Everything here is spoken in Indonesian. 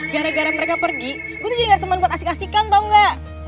gara gara mereka pergi gue tuh jadi temen buat asik asikan tau gak